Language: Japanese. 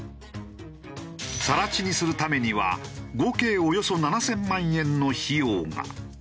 更地にするためには合計およそ７０００万円の費用が。